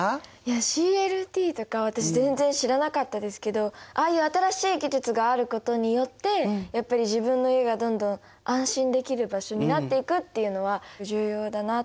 ＣＬＴとか私全然知らなかったですけどああいう新しい技術があることによってやっぱり自分の家がどんどん安心できる場所になっていくっていうのは重要だなって。